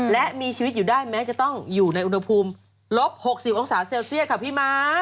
และมีชีวิตอยู่ได้แม้จะต้องอยู่ในอุณหภูมิลบ๖๐องศาเซลเซียสค่ะพี่ม้า